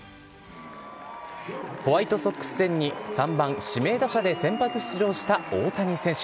ホワイトソックス戦に３番指名打者で先発出場した大谷選手。